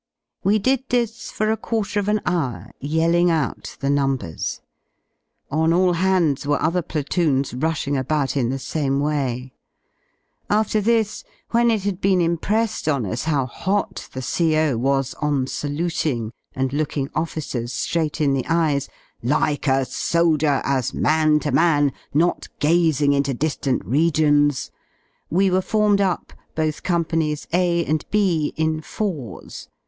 We did this for a quarter of an hour, yelling out the numbers. On all hands were other platoons rushing about in the same way. After this, when it had been impressed |i on us how hot the CO. was on saluting and looking officers Araight in the eyes, "like a soldier, as man to man, not ' gazing into di^ant regions," we were formed up, both Companies A and B, in fours.